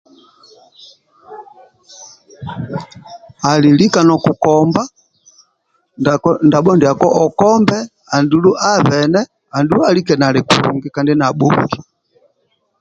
ali lika nokukomba ndabo ndiako okombe andulu abhene andulu alike nali kulungi kandi nabongi